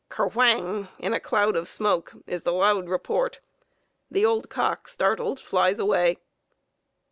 "Ker whang" in a cloud of smoke is the loud report. The old cock, startled, flies away.